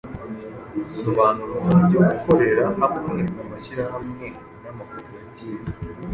Sobanura uburyo gukorera hamwe mu mashyirahamwe n’amakoperative